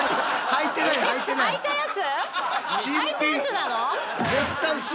はいたやつなの？